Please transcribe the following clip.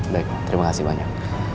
baik terima kasih banyak